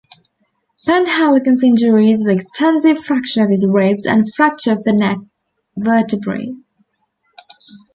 Penhaligon's injuries were extensive fracture of his ribs and fracture of the neck vertebrae.